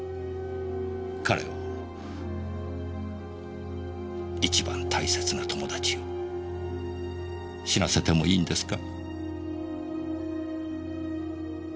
彼を一番大切な友達を死なせてもいいんですか？